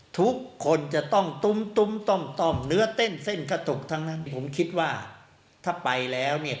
ทุกคนจะต้องตุ้มตุ้มต้อมเนื้อเต้นเส้นก็ตกทั้งนั้นผมคิดว่าถ้าไปแล้วเนี่ย